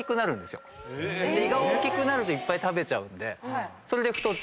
胃が大きくなるといっぱい食べちゃうんでそれで。